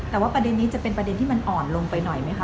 แต่ว่าประเด็นนี้จะเป็นประเด็นที่มันอ่อนลงไปหน่อยไหมคะ